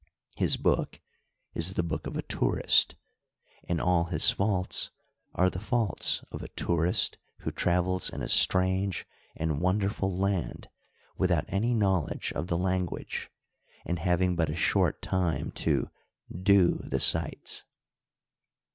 His book is the book of a tourist, and all his faults are the faults of a tourist who travels in a Digitized byCjOOQlC INTRODUCTORY. i^j strange and wonderful land without any knowledge of the language, and having but a short time to " do " the sights.